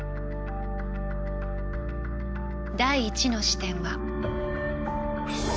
第１の視点は。